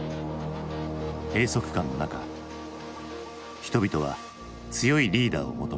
閉塞感の中人々は強いリーダーを求める。